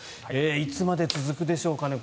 いつまで続くんでしょうかね。